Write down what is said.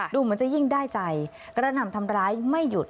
ดูเหมือนจะยิ่งได้ใจกระหน่ำทำร้ายไม่หยุด